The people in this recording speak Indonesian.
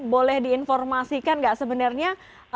boleh diinformasikan tidak sebenarnya